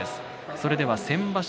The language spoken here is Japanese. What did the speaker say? それでは先場所